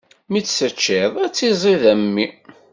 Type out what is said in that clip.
Mi tt-teččiḍ, ad tt-iẓid a mmi.